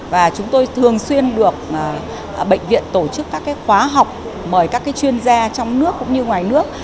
và chúng tôi thường xuyên được bệnh viện tổ chức các khóa học mời các chuyên gia trong nước cũng như ngoài nước